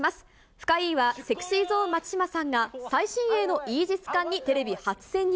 深イイはＳｅｘｙＺｏｎｅ・松島さんが、最新鋭のイージス艦にテレビ初潜入。